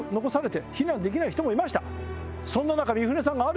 そんな中。